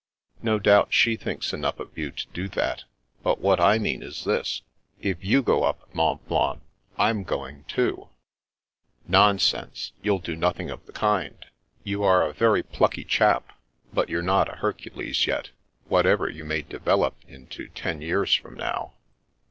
" No doubt she thinks enough of you to do that. But what I mean is this : if you go up Mont Blanc, Fm going too." " Nonsense ! You'll do nothing of the kind. You 220 The Princess Passes • are a very plucky chap, but you're not a Hercules yet, whatever you may develop into ten years from now.